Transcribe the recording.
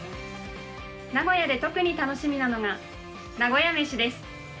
名古屋で特に楽しみなのが名古屋飯です。